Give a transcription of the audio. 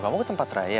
kamu ke tempat raya